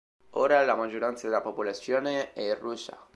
Ora la maggioranza della popolazione è russa.